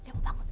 dia mau bangun